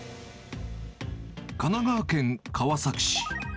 神奈川県川崎市。